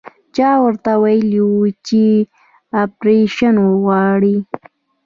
چا ورته ويلي وو چې اپرېشن غواړي.